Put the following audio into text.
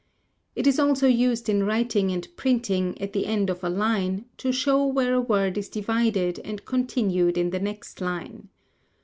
It is also used in writing and printing, at the end of a line, to show where a word is divided and continued in the next line.